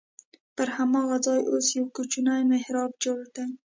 پر هماغه ځای اوس یو کوچنی محراب جوړ دی.